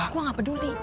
gue nggak peduli